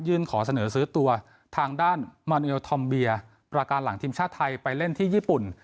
ขอเสนอซื้อตัวทางด้านมาเนียลทอมเบียประการหลังทีมชาติไทยไปเล่นที่ญี่ปุ่น